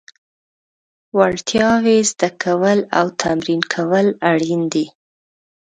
وړتیاوې زده کول او تمرین کول اړین دي.